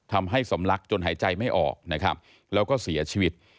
ทำให้สำลักจนหายใจไม่ออกนะครับแล้วก็เสียชีวิต